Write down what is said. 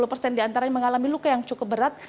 persen diantara yang mengalami luka yang cukup berat